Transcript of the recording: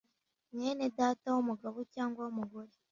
mwene data w'umugabo cyangwa w'umugore